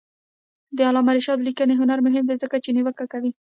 د علامه رشاد لیکنی هنر مهم دی ځکه چې نیوکه کوي.